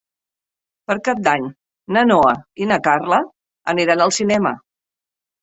Per Cap d'Any na Noa i na Carla aniran al cinema.